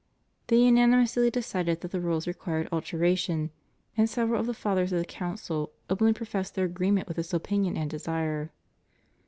They unanimously decided that the rules required alteration; and several of the Fathers of the Council openly professed their agree ment with this opinion and desire.